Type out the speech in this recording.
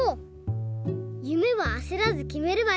ゆめはあせらずきめればいいんだね。